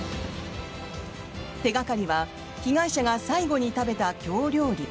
手掛かりは被害者が最後に食べた京料理。